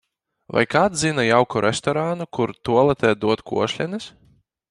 Vai kāds zina jauku restorānu kur, tualetē dod košļenes?